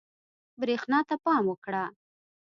برېښنا ته پام وکړه.